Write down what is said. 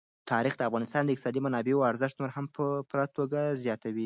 تاریخ د افغانستان د اقتصادي منابعو ارزښت نور هم په پوره توګه زیاتوي.